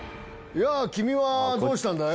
やぁ君はどうしたんだい？